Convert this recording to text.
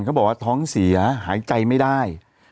เขาบอกว่าท้องเสียหายใจไม่ได้